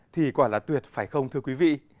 thì quả là tuyệt phải không thưa quý vị